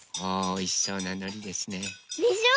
おいしそうなのりですね。でしょ？